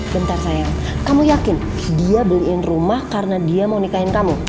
bentar sayang kamu yakin dia beliin rumah karena dia mau nikahin kamu